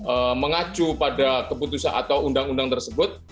dan setiap keputusan mengacu pada keputusan atau undang undang tersebut